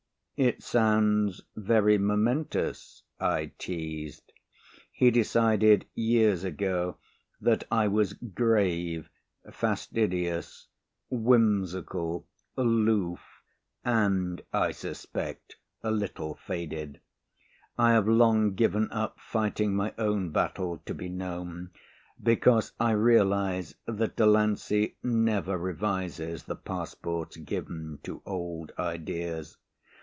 "It sounds very momentous," I teased. He decided years ago that I was grave, fastidious, whimsical, aloof and (I suspect) a little faded. I have long given up fighting my own battle (to be known) because I realise that Delancey never revises the passports given to old ideas.